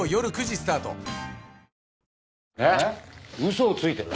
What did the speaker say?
嘘をついている？